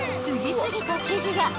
［次々と生地が］